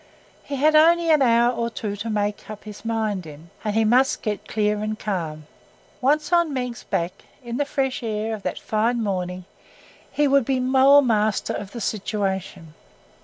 He had only an hour or two to make up his mind in, and he must get clear and calm. Once on Meg's back, in the fresh air of that fine morning, he should be more master of the situation.